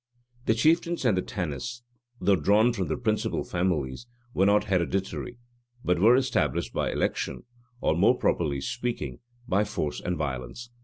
The chieftains and the tanists, though drawn from the principal families, were not hereditary, but were established by election, or, more properly speaking, by force and violence.